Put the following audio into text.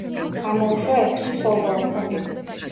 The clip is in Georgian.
გამოუშვა ექვსი სოლო ალბომი.